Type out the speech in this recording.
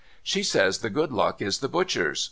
' She says the good luck is the butcher's.